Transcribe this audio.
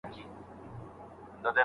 لارښود د شاګردانو لپاره د لاري مشال دی.